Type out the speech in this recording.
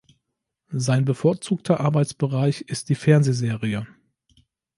Sein bevorzugter Arbeitsbereich ist die Fernsehserie.